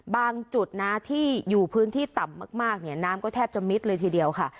จุดนะที่อยู่พื้นที่ต่ำมากเนี่ยน้ำก็แทบจะมิดเลยทีเดียวค่ะ